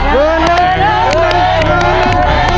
หนึ่งหมื่นบาท